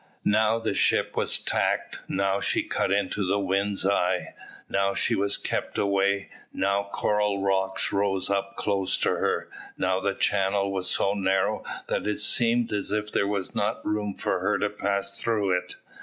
Now the ship was tacked; now she cut into the wind's eye; now she was kept away; now coral rocks rose up close to her; now the channel was so narrow that it seemed as if there was not room for her to pass through it.